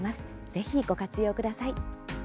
ぜひ、ご活用ください。